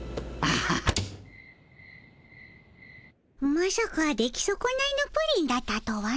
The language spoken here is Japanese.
まさか出来そこないのプリンだったとはの。